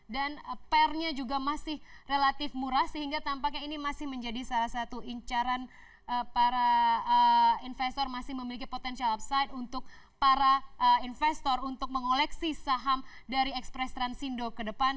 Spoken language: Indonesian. dan pernya juga masih relatif murah sehingga tampaknya ini masih menjadi salah satu incaran para investor masih memiliki potensial upside untuk para investor untuk mengoleksi saham dari ekspres transindo ke depan